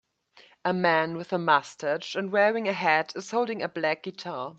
A man with a mustache and wearing a hat is holding a black guitar.